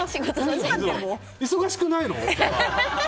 忙しくないの？とか。